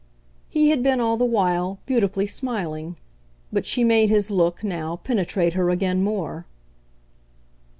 He had been, all the while, beautifully smiling; but she made his look, now, penetrate her again more.